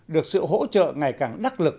được sự hỗ trợ ngày càng đắc lực